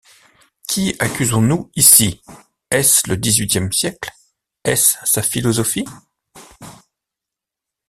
Qui accusons-nous ici? est-ce le dix-huitième siècle ? est-ce sa philosophie ?